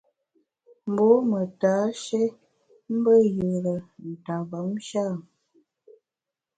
Mbô me tashé mbe yùre nta mvom sha ?